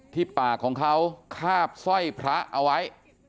ที่ปากของเขาคาบสร้อยพระเอาไว้